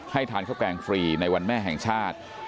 ทานข้าวแกงฟรีในวันแม่แห่งชาติ